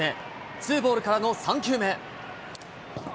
ツーボールからの３球目。